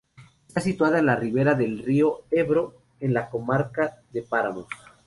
Está situada en la ribera del río Ebro, en la comarca de Páramos.